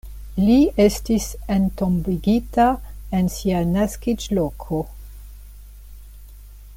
Li estis entombigita en sia naskiĝloko.